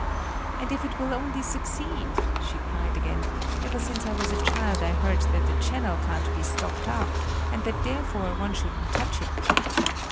"And if it will only succeed," she cried again, "ever since I was a child I heard that the channel can't be stopped up, and that therefore one shouldn't touch it."